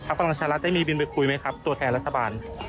พลังประชารัฐได้มีบินไปคุยไหมครับตัวแทนรัฐบาล